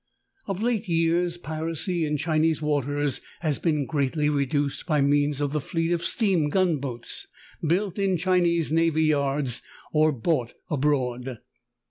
Of late years piracy in Chi nese waters has been greatly reduced by means of the fleet of steam gunboats built in Chinese navy yards or bought abroad.